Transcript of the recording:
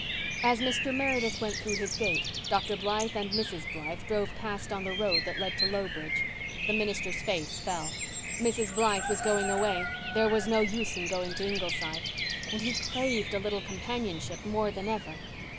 As Mr. Meredith went through his gate Dr. Blythe and Mrs. Blythe drove past on the road that led to Lowbridge. The minister's face fell. Mrs. Blythe was going away—there was no use in going to Ingleside. And he craved a little companionship more than ever.